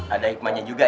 ada hikmahnya juga ya